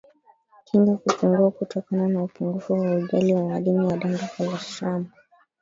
Kinga kupungua kutokana na upungufu wa ulaji wa madini ya danga kolostramu